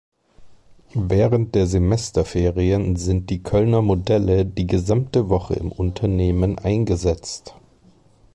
Während der Semesterferien sind die Kölner Modelle die gesamte Woche im Unternehmen eingesetzt.